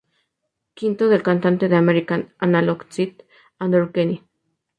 V del cantante de The American Analog Set Andrew Kenny.